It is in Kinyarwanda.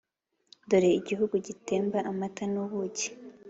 dore igihugu gitemba amata n’ubuki.